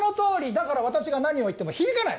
だから私が何を言っても響かない！